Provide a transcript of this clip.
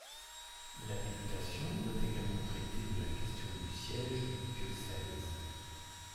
La députation doit également traiter de la question du siège du diocèse.